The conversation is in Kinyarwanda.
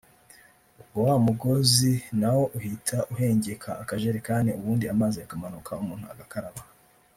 ubwo wa mugozi nawo uhita uhengeka akajerikani ubundi amazi akamanuka umuntu agakaraba